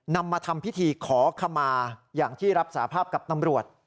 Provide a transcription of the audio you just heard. นำมาทำพิธีขอขมาอย่างที่รับสาภาพกับตำรวจ